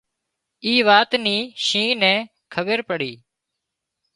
اي وات نِي شينهن نين کٻير پڙي